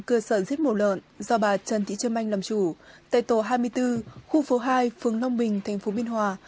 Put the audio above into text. giết mổ lợn do bà trần thị trâm anh làm chủ tại tổ hai mươi bốn khu phố hai phương long bình thành phố biên hòa